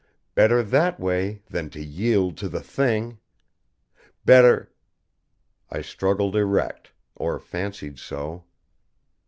Better that way than to yield to the Thing! Better I struggled erect; or fancied so.